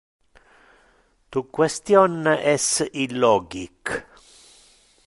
Tu question es illogic.